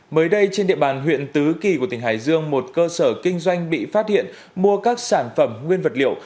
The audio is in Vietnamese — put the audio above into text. mới đây trên địa bàn huyện tứ kỳ của tỉnh hải dương một cơ sở kinh doanh bị phát hiện mua các sản phẩm nguyên vật liệu